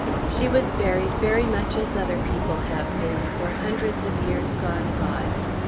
She was buried very much as other people have been for hundreds of years gone by.